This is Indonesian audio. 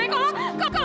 aku mau cerai sama kamu